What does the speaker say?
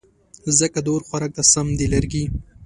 ځکه د اور خوراک ته سم دي لرګې